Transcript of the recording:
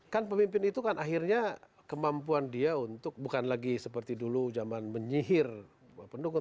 kan pemimpin itu kan akhirnya kemampuan dia untuk bukan lagi seperti dulu zaman menyihir pendukung